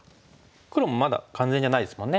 黒もまだ完全じゃないですもんね。